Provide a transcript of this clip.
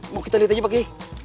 mau kita lihat aja pagi